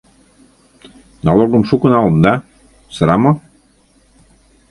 Налогым шуко налыт да, сыра мо?